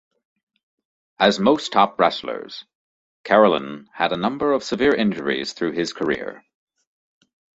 As most top wrestlers, Karelin had a number of severe injuries through his career.